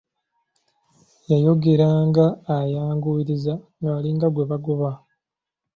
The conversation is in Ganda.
Yayogeranga ayanguyiriza ng'alinga gwe bagoba.